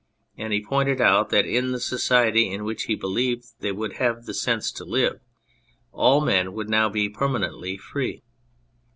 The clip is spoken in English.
And he pointed out that in the society in which he believed they would have the sense to live, all men would now be permanently free.